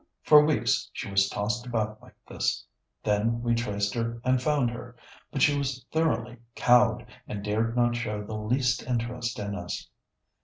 For weeks she was tossed about like this; then we traced her and found her. But she was thoroughly cowed, and dared not show the least interest in us....